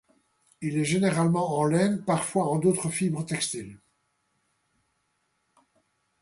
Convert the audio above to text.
Il est généralement en laine, parfois en d'autres fibres textiles.